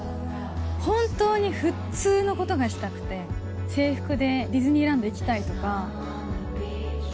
本当に普通のことがしたくて、制服でディズニーランド行きたいとか。